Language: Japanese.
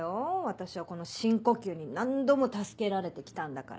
私はこの深呼吸に何度も助けられて来たんだから。